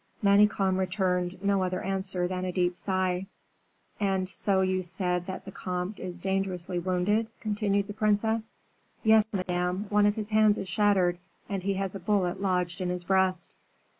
Manicamp returned no other answer than a deep sigh. "And so you said that the comte is dangerously wounded?" continued the princess. "Yes, Madame; one of his hands is shattered, and he has a bullet lodged in his breast."